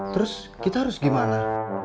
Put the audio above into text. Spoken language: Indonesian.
terus kita harus gimana